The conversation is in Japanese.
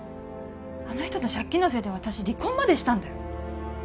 あの人の借金のせいで私離婚までしたんだよ。